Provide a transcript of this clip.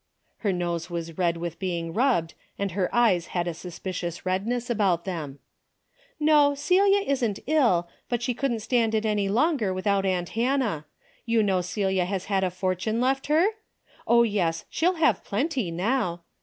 Her nose was red with be ing rubbed and her eyes had a suspicious red ness about them. " Ho, Celia isn't ill, but she couldn't stand it any longer without aunt Hannah. You know Celia has had a fortune left her? Oh yes, she'll have plenty now.